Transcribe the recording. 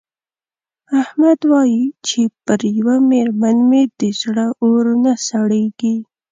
احمد وايې چې پر یوه مېرمن مې د زړه اور نه سړېږي.